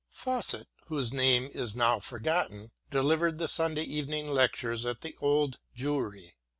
Fawcet, whose name is now forgotten, delivered the Sunday Evening Lectures at the Old Jewry.